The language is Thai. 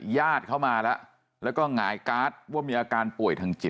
ญาติเขามาแล้วก็ใหงการว่ามีอาการป่วยทั้งจิต